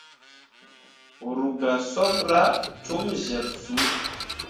Ru gah sopra com zyeɓsuu.